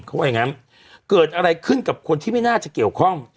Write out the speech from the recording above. เขาว่าอย่างงั้นเกิดอะไรขึ้นกับคนที่ไม่น่าจะเกี่ยวข้อง